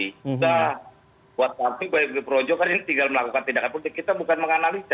kita buat tafsir baik projo kan ini tinggal melakukan tindakan politik kita bukan menganalisa